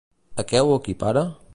A què ho equipara?